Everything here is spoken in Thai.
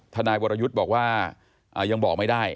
ทนายวรยุทธ์บอกว่ายังบอกไม่ได้